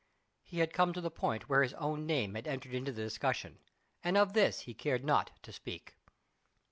He had come to the point where his own name had entered into the discussion, and of this he cared not to speak.